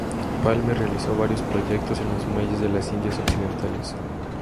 Palmer realizó varios proyectos en los Muelles de las Indias Occidentales.